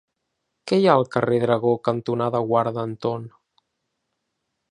Què hi ha al carrer Dragó cantonada Guarda Anton?